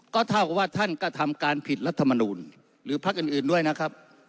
ก็เท่ากับว่าท่านก็ทำการผิดรัฐมนูลหรือพักอื่นด้วยนะครับ